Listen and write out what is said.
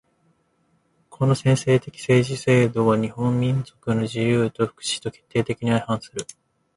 この専制的政治制度は日本民族の自由と福祉とに決定的に相反する。